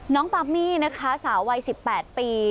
น้องปอนซ์สาววัย๑๘ปี